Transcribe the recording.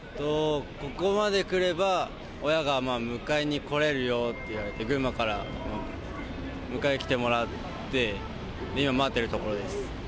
ここまで来れば、親が迎えに来られるよっていって、群馬から迎えに来てもらって、今、待っているところです。